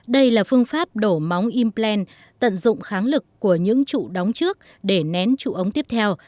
đây là phương pháp đổ móng impland tận dụng kháng lực của những trụ đóng trước để nén trụ ống tiếp theo